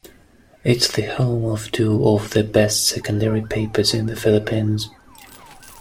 It's the home of two of the best secondary papers in the Philippines.